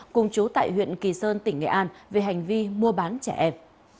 cùng chú tại huyện kỳ sơn tỉnh nghệ an về hành vi mua bán trẻ em